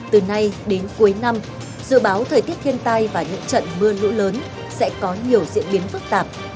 từ nay đến cuối năm dự báo thời tiết thiên tai và những trận mưa lũ lớn sẽ có nhiều diễn biến phức tạp